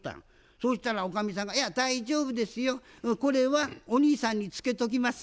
そしたらおかみさんが「いや大丈夫ですよ。これはお兄さんにツケときます」